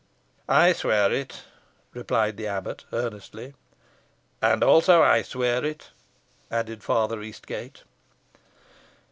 "I swear it," replied the abbot, earnestly. "And I also swear it," added Father Eastgate.